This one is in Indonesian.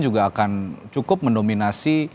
juga akan cukup mendominasi